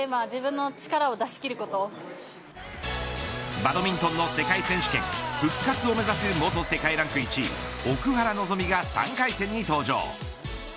バドミントンの世界選手権復活を目指す元世界ランク１位奥原希望が３回戦に登場。